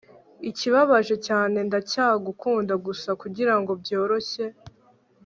ikibabaje cyane ndacyagukunda, gusa kugirango byoroshye